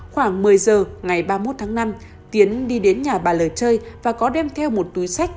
khoảng một mươi giờ ngày ba mươi một tháng năm tiến đi đến nhà bà lời chơi và có đem theo một túi sách